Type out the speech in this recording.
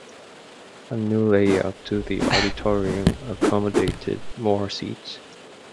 A new layout to the auditorium accommodated more seats.